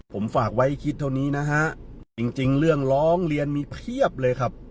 ผมฝากไว้คิดเท่านี้นะฮะจริงเรื่องร้องเรียนมีเพียบเลยครับ